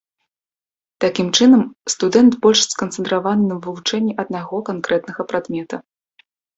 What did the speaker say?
Такім чынам, студэнт больш сканцэнтраваны на вывучэнні аднаго канкрэтнага прадмета.